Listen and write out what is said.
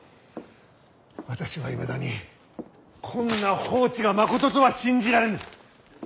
私はいまだにこんな報知がまこととは信じられぬ。